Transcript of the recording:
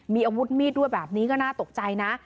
มีอาวุธมีดด้วยแบบนี้ก็น่าตกใจนะ